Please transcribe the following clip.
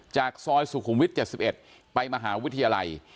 จากซอยสุขุมวิทย์เจ็ดสิบเอ็ดไปมหาวิทยาลัย